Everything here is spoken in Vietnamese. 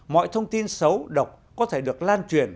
mọi thông tin xấu độc có thể được lan truyền